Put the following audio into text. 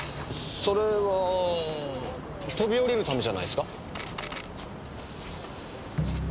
それは飛び降りるためじゃないですか？